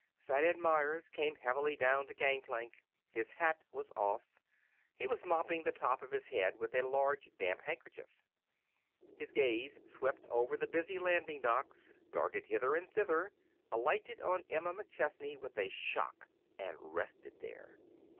Fat Ed Meyers came heavily down the gangplank. His hat was off. He was mopping the top of his head with a large, damp handkerchief. His gaze swept over the busy landing docks, darted hither and thither, alighted on Emma McChesney with a shock, and rested there.